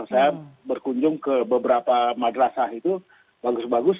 saya berkunjung ke beberapa madrasah itu bagus bagus